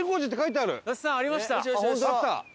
あった。